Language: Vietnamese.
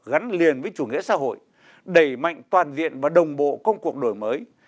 gắn liền với chủ nghĩa xã hội đẩy mạnh toàn diện và đồng bộ công cuộc đổi mới